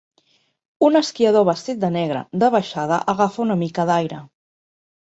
Un esquiador vestit de negre de baixada agafa una mica d'aire